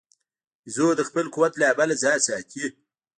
بیزو د خپل قوت له امله ځان ساتي.